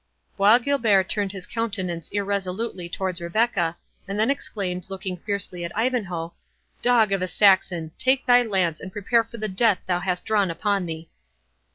Bois Guilbert turned his countenance irresolutely towards Rebecca, and then exclaimed, looking fiercely at Ivanhoe, "Dog of a Saxon! take thy lance, and prepare for the death thou hast drawn upon thee!"